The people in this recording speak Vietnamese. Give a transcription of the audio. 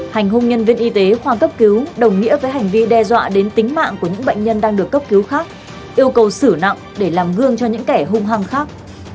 hành hung nhân viên y tế khoa cấp cứu đồng nghĩa với hành vi đe dọa đến tính mạng của những bệnh nhân đang được cấp cứu khác yêu cầu xử nặng để làm gương cho những kẻ hung hăng khác